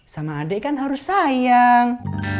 sama adik kan harus sayang